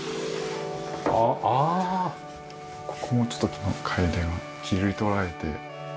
ここもちょっとカエデが切り取られて。